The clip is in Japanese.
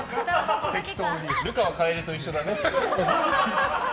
流川楓と一緒だね。